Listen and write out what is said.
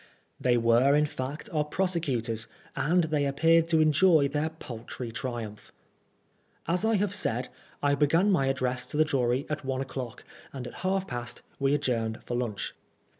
They were in fact our prose cutors, and they appeared to enjoy their paltry triumph. As I have said, I began my address to the jury at one o'clock, and at half past we adjourned for lunch.